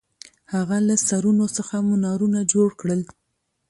هغه له سرونو څخه منارونه جوړ کړل.